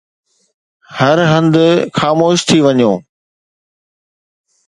هر هنڌ خاموش ٿي وڃو.